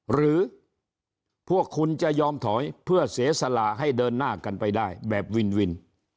หรือพวกคุณจะยอมถอยเพื่อเสียสละให้เดินหน้ากันไปได้แบบวินวิน